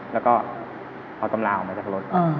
แล้วก็เอาตำราออกมาจากรถ